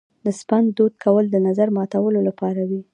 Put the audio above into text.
د سپند دود کول د نظر ماتولو لپاره وي.